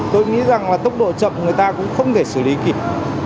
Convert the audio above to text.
tôi nghĩ rằng là tốc độ chậm người ta cũng không thể xử lý kịp